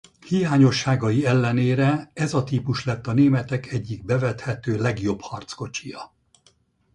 Hiányosságai ellenére ez a típus lett a németek egyik bevethető legjobb harckocsija.